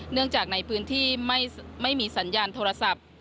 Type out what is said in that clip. จากในพื้นที่ไม่มีสัญญาณโทรศัพท์